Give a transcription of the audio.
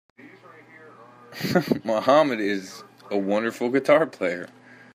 Mohammed is a wonderful guitar player.